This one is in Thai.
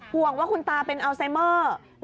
ห่วงว่าคุณตาเป็นอัลไซเมอร์